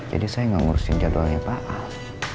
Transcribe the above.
jadi saya enggak ngurusin jadwalnya pak al